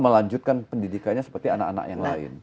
melanjutkan pendidikannya seperti anak anak yang lain